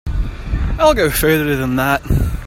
I'll go further than that.